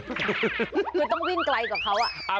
คือต้องวิ่งไกลกว่าเขา